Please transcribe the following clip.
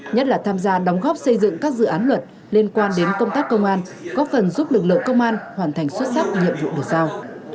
nhất là tham gia đóng góp xây dựng các dự án luật liên quan đến công tác công an góp phần giúp lực lượng công an hoàn thành xuất sắc nhiệm vụ được giao